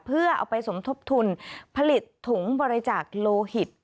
เพื่อเอาไปสมทบทุนผลิตถุงบริจาคโลหิต